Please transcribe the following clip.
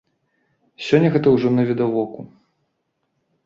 Сёння гэта ўжо навідавоку.